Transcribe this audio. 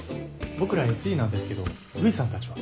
僕らＳＥなんですけど藤さんたちは？